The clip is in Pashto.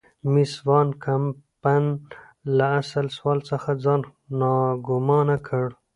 مېس وان کمپن له اصل سوال څخه ځان ناګومانه کړ.